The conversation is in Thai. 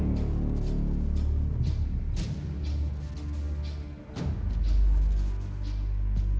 นี้น่ะ